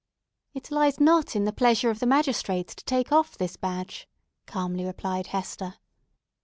"It lies not in the pleasure of the magistrates to take off the badge," calmly replied Hester.